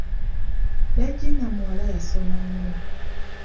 Leegina muwala yasoma nnyo.